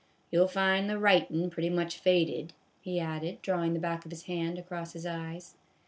" You '11 find the writin' pretty much faded," he added, drawing the back of his hand across his eyes.